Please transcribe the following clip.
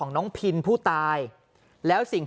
นั่นไง